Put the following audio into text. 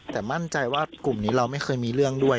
แต่มั่นใจว่ากลุ่มนี้เราไม่เคยมีเรื่องด้วย